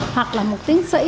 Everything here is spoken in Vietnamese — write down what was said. hoặc là một tiến sĩ